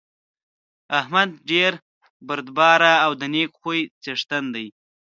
احمد ډېر بردباره او د نېک خوی څېښتن دی.